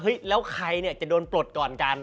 แล้วใครเนี่ยจะโดนปลดก่อนกัน